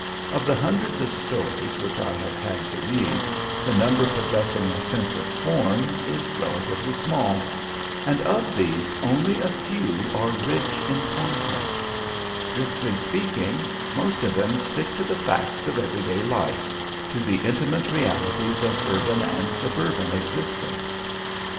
Of the hundreds of stories which I have had to read the number possessing a sense of form is relatively small, and of these only a few are rich in content; strictly speaking, most of them stick to the facts of everyday life, to the intimate realities of urban and suburban existence.